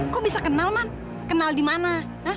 kok bisa kenal man kenal dimana